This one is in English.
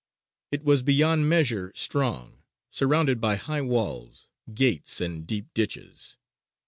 It was "beyond measure strong, surrounded by high walls, gates, and deep ditches."